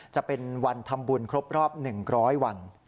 จะเป็นวันทำบุญครบรอบ๑๐๐วัน